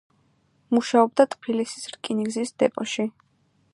მუშაობდა ტფილისის რკინიგზის დეპოში.